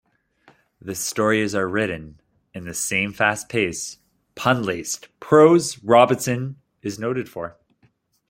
The stories are written in the same fast-paced, pun-laced prose Robinson is noted for.